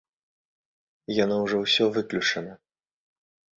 Яно ўжо ўсё выключана.